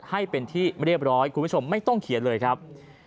ให้เป็นที่เรียบร้อยคุณผู้ชมไม่ต้องเขียนเลยครับ